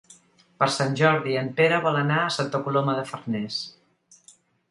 Per Sant Jordi en Pere vol anar a Santa Coloma de Farners.